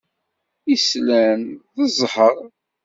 Islan d ẓẓhṛ.